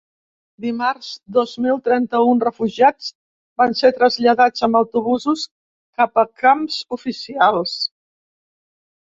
Dimarts, dos mil trenta-un refugiats van ser traslladats amb autobusos cap a camps oficials.